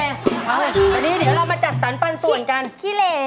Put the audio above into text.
วันนี้เดี๋ยวเรามาจัดสรรปันส่วนกันขี้เหล